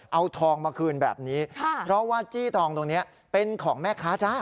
เอาทองมาคืนแบบนี้เพราะว่าจี้ทองตรงนี้เป็นของแม่ค้าจ้า